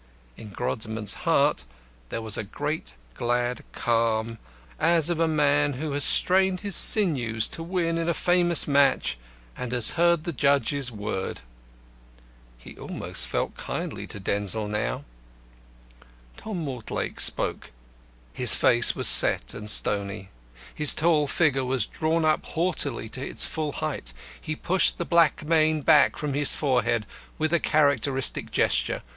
In Grodman's heart there was a great, glad calm as of a man who has strained his sinews to win in a famous match, and has heard the judge's word. He felt almost kindly to Denzil now. Tom Mortlake spoke. His face was set and stony. His tall figure was drawn up haughtily to its full height. He pushed the black mane back from his forehead with a characteristic gesture.